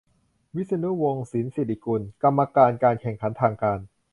- วิษณุ วงศ์สินศิริกุล กรรมการการแข่งขันทางการ